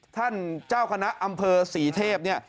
ท่านเจ้าคณะอำเภอสีเทพเนี่ย